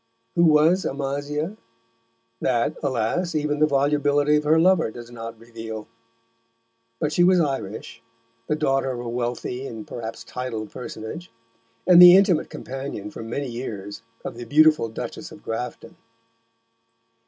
Who was Amasia? That, alas! even the volubility of her lover does not reveal. But she was Irish, the daughter of a wealthy and perhaps titled personage, and the intimate companion for many years of the beautiful Duchess of Grafton.